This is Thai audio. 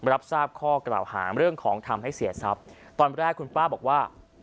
รับทราบข้อกล่าวหาเรื่องของทำให้เสียทรัพย์ตอนแรกคุณป้าบอกว่า